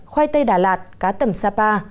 khoai tây đà lạt cá tẩm sapa